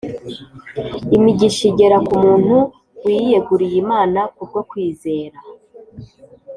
. Imigisha igera ku muntu wiyeguriye Imana kubwo kwizera